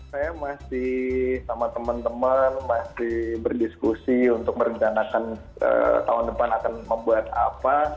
saya masih sama teman teman masih berdiskusi untuk merencanakan tahun depan akan membuat apa